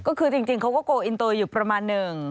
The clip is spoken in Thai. ก็คือจริงเขาก็โกลอินเตอร์อยู่ประมาณหนึ่ง